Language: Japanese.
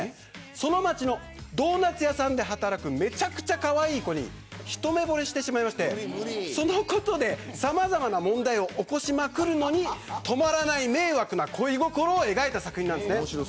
その町のドーナツ屋さんで働くめちゃくちゃかわいい子に一目ぼれしてしまいましてそのことで、さまざまな問題を起こしまくるのに止まらない迷惑な恋心を描いた作品なんですね。